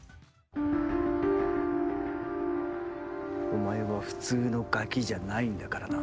お前は普通のガキじゃないんだからな。